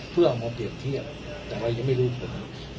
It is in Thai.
เพื่อเอามาเปลี่ยนเทียบแต่เรายังไม่รู้ตัวเนี้ย